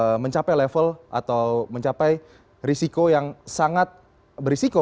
untuk mencapai level atau mencapai risiko yang sangat berisiko